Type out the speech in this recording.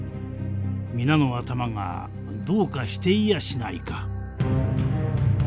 皆の頭がどうかしていやしないか」。